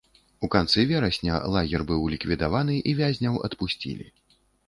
У канцы верасня лагер быў ліквідаваны, і вязняў адпусцілі.